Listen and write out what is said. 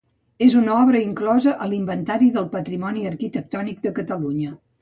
És una obra inclosa a l'Inventari del Patrimoni Arquitectònic de Catalunya.